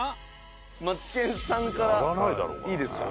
「マツケンさんからいいですか？